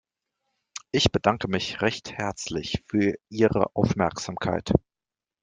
Ich bedanke mich recht herzlich für Ihre Aufmerksamkeit.